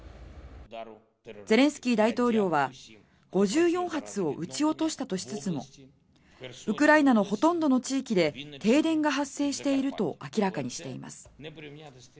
ゼレンスキー大統領は５４発を撃ち落としたとしつつもウクライナのほとんどの地域で停電が発生していると明らかにしています。